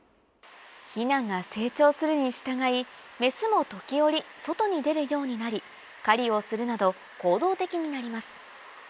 ヒナが成長するに従いメスも時折外に出るようになり狩りをするなど行動的になります